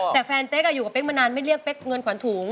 แต่แฟนเป๊กอยู่กับเป๊กมานานไม่เรียกเป๊กเงินขวัญถุง